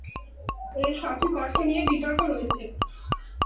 এর সঠিক অর্থ নিয়ে বিতর্ক রয়েছে।